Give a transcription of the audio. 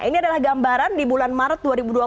ini adalah gambaran di bulan maret dua ribu dua puluh